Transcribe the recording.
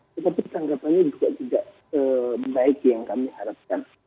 tetapi tanggapannya juga tidak sebaik yang kami harapkan